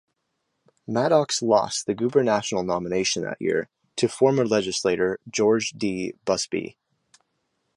Maddox lost the gubernatorial nomination that year to former legislator George D. Busbee.